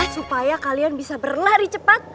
supaya kalian bisa berlari cepat